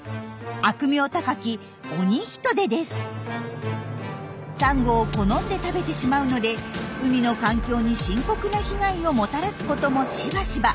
悪名高きサンゴを好んで食べてしまうので海の環境に深刻な被害をもたらすこともしばしば。